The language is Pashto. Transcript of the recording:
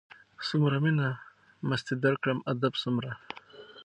څومره مينه مستي درکړم ادب څومره